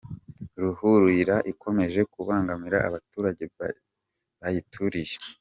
Ruhurura ikomeje kubangamira abaturage bayituriye